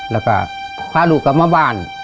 แล้วก็พาลูกกลับมาบ้าน